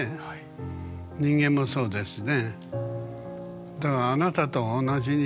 人間もそうですね。